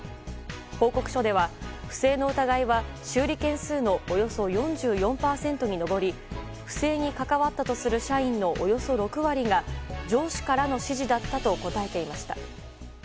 報告書では不正の疑いは修理件数のおよそ４４％に上り不正に関わったとする社員のおよそ６割が上司からの指示だったと答えていました。